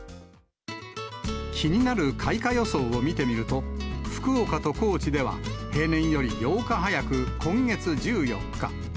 気になる開花予想を見てみると、福岡と高知では平年より８日早く今月１４日。